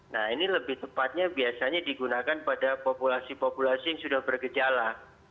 nah ini lebih tepatnya biasanya digunakan pada populasi populasi yang sudah bergejala